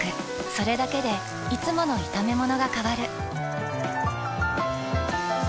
それだけでいつもの炒めものが変わる。